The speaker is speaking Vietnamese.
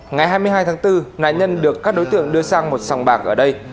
ngày hai mươi hai tháng bốn nạn nhân được các đối tượng đưa sang một sòng bạc ở đây